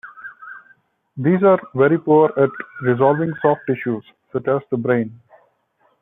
These are very poor at resolving soft tissues, such as the brain.